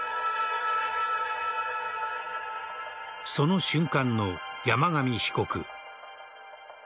その瞬間の山上被告。